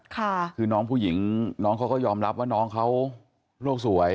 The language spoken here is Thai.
คือน้องผู้หญิงน้องเขาก็ยอมรับว่าน้องเขาโลกสวย